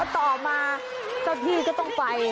ต่อมาเจ้าที่ก็ต้องไป